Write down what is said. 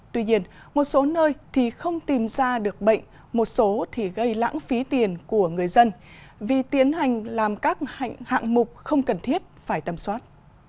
tuy nhiên một số nơi thì không tìm ra được bệnh một số thì gây lãng phí tiền của người dân vì tiến hành làm các hạng mục không cần thiết phải tầm soát